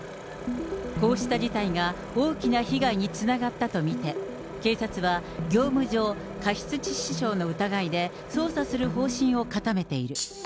こうした事態が、大きな被害につながったと見て、警察は業務上過失致死傷の疑いで、捜査する方針を固めている。